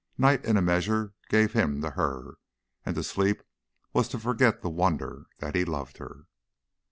Night in a measure gave him to her, and to sleep was to forget the wonder that he loved her.